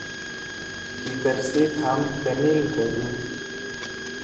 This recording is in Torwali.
کِکر سی تھام کنیِل ہودُو۔